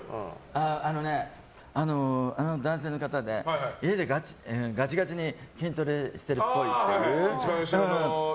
あの男性の方家でガチガチで筋トレしてるっぽいっていう。